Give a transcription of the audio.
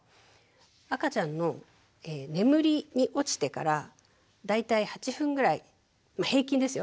赤ちゃんの眠りに落ちてから大体８分ぐらい平均ですよ